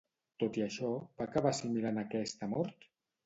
Tot i això, va acabar assimilant aquesta mort?